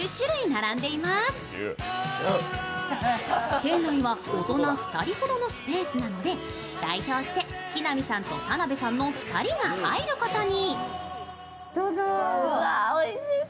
店内は大人２人ほどのスペースなのでだいひょうして木南さんと田辺さんの２人が入ることに。